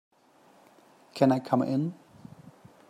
Can I come in?